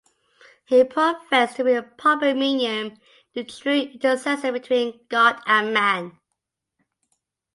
He professed to be the proper medium, the true intercessor between God and man.